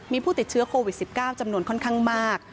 มีผู้ติดเชื้อโควิด๑๙จำนวนค่อนข้างมาก